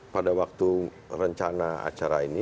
pada waktu rencana acara ini